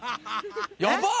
やばっ！